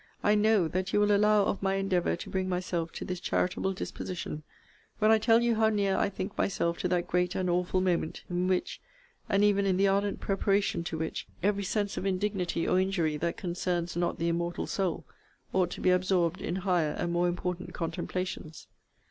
I know, that you will allow of my endeavour to bring myself to this charitable disposition, when I tell you how near I think myself to that great and awful moment, in which, and even in the ardent preparation to which, every sense of indignity or injury that concerns not the immortal soul, ought to be absorbed in higher and more important contemplations.